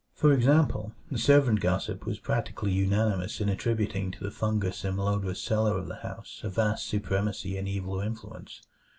For example, the servant gossip was practically unanimous in attributing to the fungous and malodorous cellar of the house a vast supremacy in evil influence.